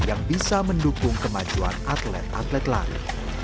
yang bisa mendukung kemajuan atlet atlet lari